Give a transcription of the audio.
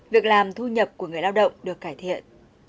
việc làm thu nhập của người lao động được cải thiện